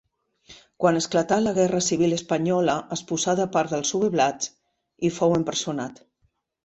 Quan esclatà la guerra civil espanyola es posà de part dels sublevats i fou empresonat.